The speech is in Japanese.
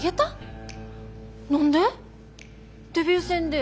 何で？